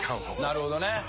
なるほどね。